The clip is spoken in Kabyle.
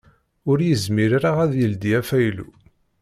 Ur yezmir ara a d-ildi afaylu.